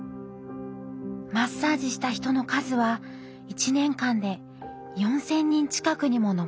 マッサージした人の数は１年間で４，０００人近くにも上ります。